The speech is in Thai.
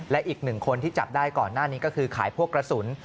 และอีกหนึ่งคนที่จับได้ก่อนหน้านี้ก็คือขายพวกกระสุน